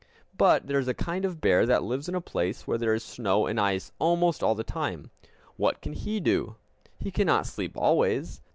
But there is a kind of bear that lives in a place where there is snow and ice almost all the time. What can he do? He cannot sleep always!